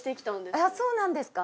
・あっそうなんですか。